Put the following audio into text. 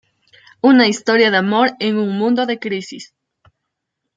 Una historia de amor en un mundo en crisis.